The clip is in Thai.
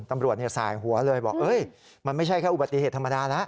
ตำรวจสายหัวเลยบอกมันไม่ใช่แค่อุบัติเหตุธรรมดาแล้ว